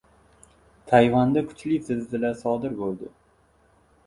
Tayvanda kuchli zilzila sodir bo‘ldi